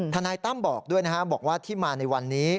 นายตั้มบอกด้วยนะครับบอกว่าที่มาในวันนี้